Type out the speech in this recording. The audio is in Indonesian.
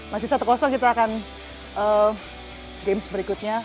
masih satu kita akan games berikutnya